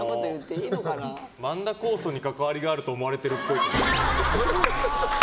万田酵素に関わりがあると思われるっぽい。